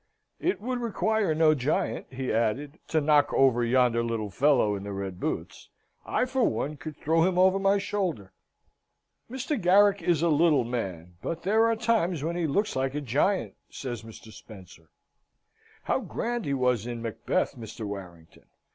"It would require no giant," he added, "to knock over yonder little fellow in the red boots. I, for one, could throw him over my shoulder." "Mr. Garrick is a little man. But there are times when he looks a giant," says Mr. Spencer. "How grand he was in Macbeth, Mr. Warrington!